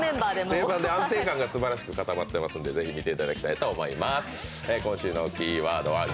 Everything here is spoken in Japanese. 安定感がすばらしく固まっているので是非見ていただきたいと思います。